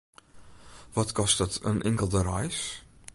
Wat kostet in inkelde reis?